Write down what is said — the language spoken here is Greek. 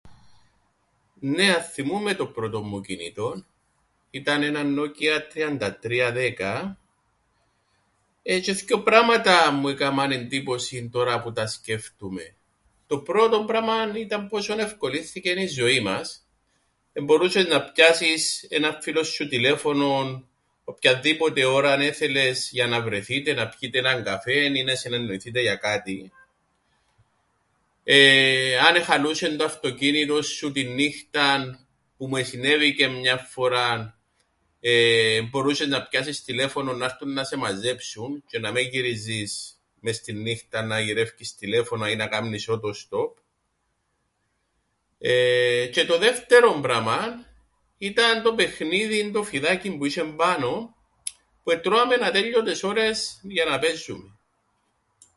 Νναι αθθυμούμαι το πρώτον μου κινητόν ήταν έναν nokia3310 ε.. τζ̆αι θκυο πράματα μου εκάμαν εντύπωσην τωρά που τα σκέφτουμαι. Το πρώτον πράμαν ήταν πόσο ευκολύνθηκεν η ζωή μας. Εμπορούσες να πιάσεις έναν φίλον σου τηλέφωνον οποιανδήποτε ώραν έθελες για να βρεθείτε να πιείτε έναν καφέν ή να συνεννοηθείτε για κάτι, εεε.... αν εχαλούσεν το αυτοκίνητον σου την νύχταν, που μου εσυνέβηκεν μιαν φοράν, εμπορούσες να πιάσεις τηλέφωνον να 'ρτουν να σε μαζέψουν τζ̆αι να μεν γυρίζεις μες στην νύχταν να γυρεύκεις τηλέφωνα ή να κάμνεις ωτοστόπ. Εεε... τζ̆αι το δεύτερον πράμαν ήταν το παιχνίδιν το φιδάκιν που είσ̆εν πάνω που ετρώαμεν ατέλειωτες ώρες για να παίζουμεν.